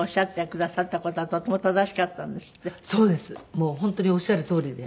もう本当におっしゃるとおりで。